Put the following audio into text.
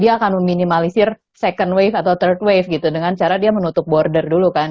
dia akan meminimalisir second wave atau third wave gitu dengan cara dia menutup border dulu kan